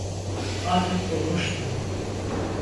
Artık bulmuştu.